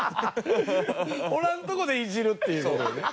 おらんとこでいじるっていう事ね。